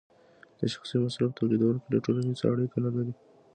د شخصي مصرف تولیدونکی له ټولنې سره اړیکه نلري